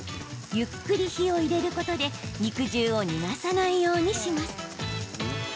ゆっくり火を入れることで肉汁を逃さないようにします。